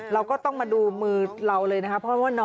เราก็ต้องมาดูมือเราเลยนะคะ